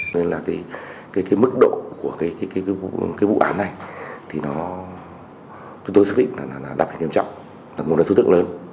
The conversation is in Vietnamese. nên là cái mức độ của cái vụ án này thì nó chúng tôi xác định là đập là nghiêm trọng là một lần xuất tượng lớn